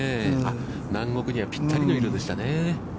南国にはぴったりの色でしたね。